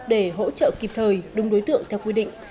để hỗ trợ kịp thời đúng đối tượng theo quy định